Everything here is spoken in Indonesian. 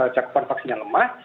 capupan vaksinnya lemah